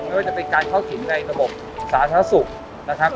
ไม่ว่าจะเป็นการเข้าถึงในระบบสาธารณสุขนะครับ